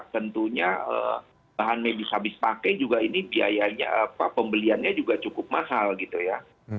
tentunya bahan medis habis pakai juga ini biayanya pembeliannya juga cukup mahal gitu ya